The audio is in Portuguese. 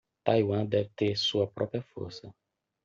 Taiwan deve ter sua própria força